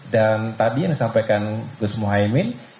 dan tadi yang disampaikan gus muhammad